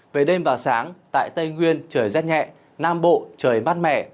về đêm và sáng tại tây nguyên trời rét nhẹ nam bộ trời mát mẻ